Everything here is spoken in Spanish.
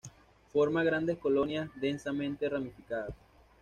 Forma grandes colonias densamente ramificadas.